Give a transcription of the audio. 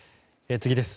次です。